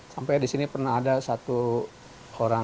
sampai disini pernah ada satu orang